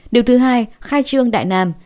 điều thứ hai khai trương đại nam